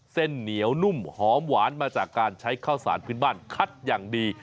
เส้นเหนียวนุ่มหอมหวานมาจากการใช้ข้าวสารพื้นบ้านคัดอย่างดี